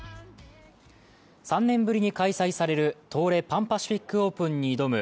３年ぶりに開催される東レ・パン・パシフィックオープンに挑む